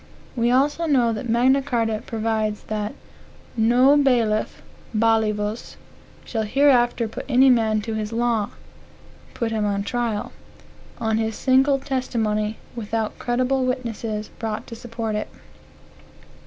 We also know that Magna Carta provides that "No bailiff (balivus) shall hereafter put any man to his law, (put him on trial,) on his single testimony, without credible witnesses brought to support it."